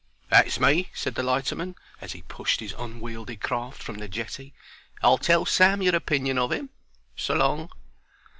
"That's me," said the lighterman, as he pushed his unwieldy craft from the jetty. "I'll tell Sam your opinion of 'im. So long."